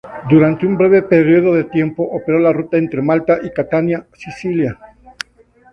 Durante un breve periodo de tiempo operó la ruta entre Malta y Catania, Sicilia.